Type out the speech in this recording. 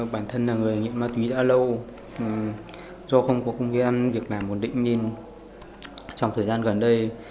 bản thân là người nghiệp ma túy đã lâu do không có công viên việt nam bổn định nên trong thời gian gần đây